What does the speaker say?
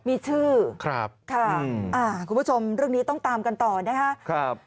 มีชื่อครับค่ะอ่าคุณผู้ชมเรื่องนี้ต้องตามกันต่อนะครับ